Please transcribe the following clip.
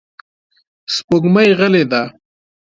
سپوږمۍ غلې ده.